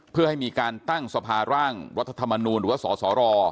เพื่อให้มีการตั้งสภาร่างรัฐธรรมนูลหรือว่าสสร